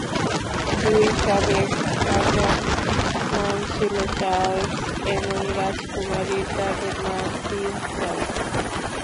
দুই সাবেক রাজার নাম ছিল চার্লস এবং রাজকুমারীর দাদুর নাম প্রিন্স চার্লস।